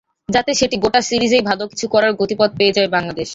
যাতে সেটি গোটা সিরিজেই ভালো কিছু করার গতিপথ পেয়ে যায় বাংলাদেশ।